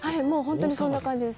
本当にそんな感じです。